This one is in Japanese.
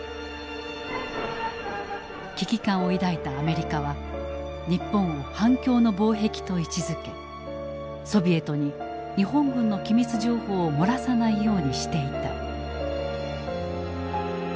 危機感を抱いたアメリカは日本を反共の防壁と位置づけソビエトに日本軍の機密情報を漏らさないようにしていた。